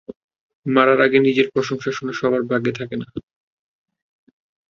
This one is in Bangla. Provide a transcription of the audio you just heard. মরার আগে নিজের প্রশংসা শোনা, সবার ভাগ্যে থাকে নাহ।